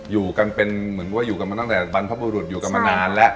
อยู่กันเป็นเหมือนว่าอยู่กันมาตั้งแต่บรรพบุรุษอยู่กันมานานแล้ว